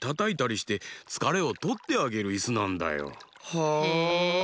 へえ。